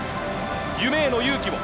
夢への勇気を。